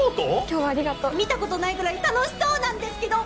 今日はありがとう見たことないくらい楽しそうなんですけど！